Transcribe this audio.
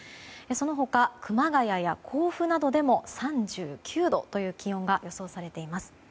その他、熊谷や甲府などでも３９度という気温が予想されています。